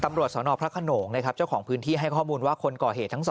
ตำรวจสนพระขนงนะครับเจ้าของพื้นที่ให้ข้อมูลว่าคนก่อเหตุทั้งสอง